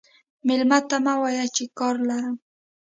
مېلمه ته مه وایه چې کار لرم.